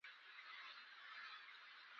خوښ به یې نه شو بل ته به سر ور ښکاره کړ.